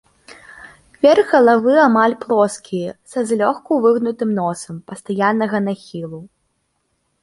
Верх галавы амаль плоскі, са злёгку выгнутым носам, пастаяннага нахілу.